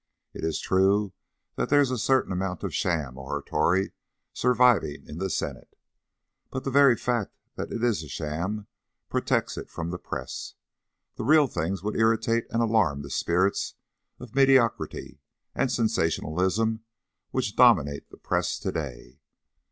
It is true that there is a certain amount of sham oratory surviving in the Senate, but the very fact that it is sham protects it from the press. The real thing would irritate and alarm the spirits of mediocrity and sensationalism which dominate the press to day.